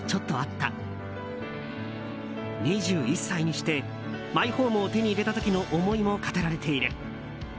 ２１歳にして、マイホームを手に入れた時の思いも語られている。